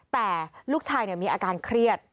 แต่ลูกชายมีอาการเครียด